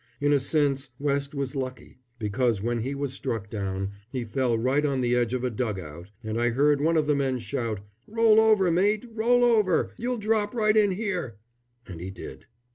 In a sense West was lucky, because when he was struck down he fell right on the edge of a dug out, and I heard one of the men shout, "Roll over, mate! Roll over! You'll drop right in here!" And he did.